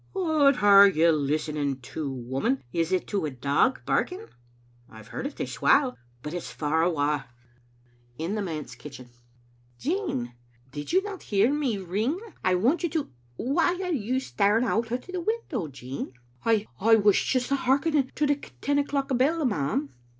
" What are you listening to, woman? Is it to a dog barking? I've heard it this while, but it's far awa." Jn the manse kitchen: " Jean, did you not hear me ring? I want you to — Why are you staring out at the window, Jean?" " I — I was just hearkening to the ten o'clock bell, ma'am."